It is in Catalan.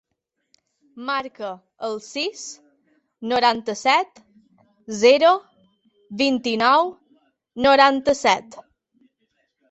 Marca el sis, noranta-set, zero, vint-i-nou, noranta-set.